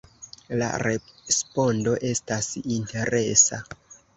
La respondo estas interesa.